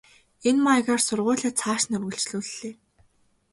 Энэ маягаар сургуулиа цааш нь үргэлжлүүллээ.